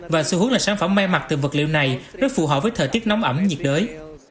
và xu hướng là sản phẩm may mặt từ vật liệu này rất phù hợp với thời tiết nóng ẩm nhiệt đới